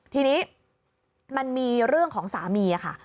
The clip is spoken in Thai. ทีนี้มันมีเรื่องของสามีค่ะ